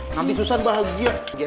nanti susah bahagia